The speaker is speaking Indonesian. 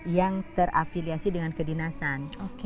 yang terafiliasi dengan kedinasan